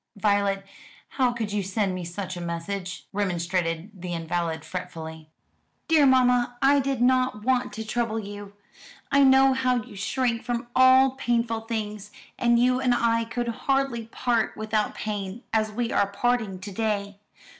"Violet, how could you send me such a message?" remonstrated the invalid fretfully. "Dear mamma, I did not want to trouble you. I know how you shrink from all painful things; and you and I could hardly part without pain, as we are parting to day.